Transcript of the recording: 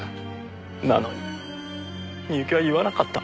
なのに深雪は言わなかった。